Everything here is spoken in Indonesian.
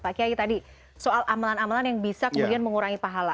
pak kiai tadi soal amalan amalan yang bisa kemudian mengurangi pahala